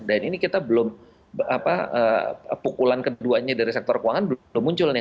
dan ini kita belum apa pukulan keduanya dari sektor keuangan belum muncul nih